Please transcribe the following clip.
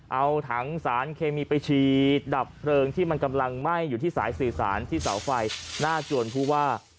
เอาถังสารเคมีไปฉีดดับเพลิงที่มันกำลังไหม้อยู่ที่สายสื่อสารที่เสาไฟหน้าจวนผู้ว่า